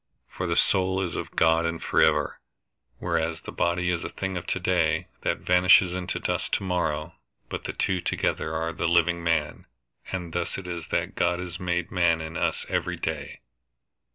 For the soul is of God and forever, whereas the body is a thing of to day that vanishes into dust to morrow; but the two together are the living man. And thus it is that God is made man in us every day.